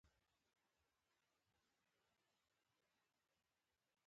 نو الله تعالی دې زموږ په شان د پټاکیو شوقي، نادیده